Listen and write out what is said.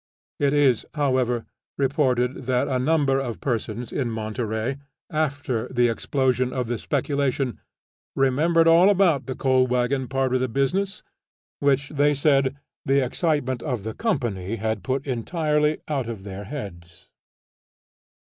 It is however reported that a number of persons in Monterey, after the explosion of the speculation, remembered all about the coal wagon part of the business, which they said, the excitement of the "company" had put entirely out of their heads.